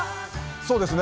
そうですね。